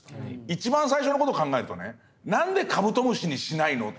一番最初の事考えるとね何でカブトムシにしないのという事が。